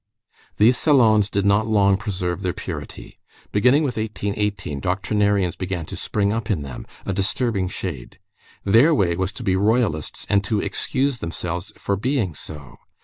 These salons did not long preserve their purity. Beginning with 1818, doctrinarians began to spring up in them, a disturbing shade. Their way was to be Royalists and to excuse themselves for being so.